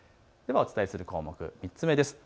お伝えする項目、３つ目です